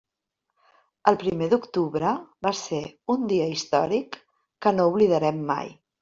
El primer d'octubre va ser un dia històric que no oblidarem mai.